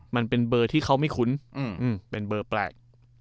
มันเป็นเบอร์ที่เขาไม่คุ้นเป็นเบอร์แปลก